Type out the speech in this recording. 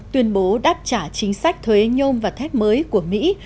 tuyên bố đáp trả chính sách thuế nhôm và thép mới của mỹ